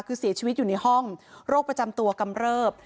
คือเสียชีวิตอยู่ในห้องโรคประจำตัวกำเริบ